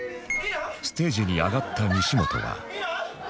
ステージに上がった西本は